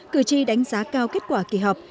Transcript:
cử tri đánh giá cao kết quả kỳ họp